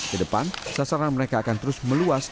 kedepan sasaran mereka akan terus meluas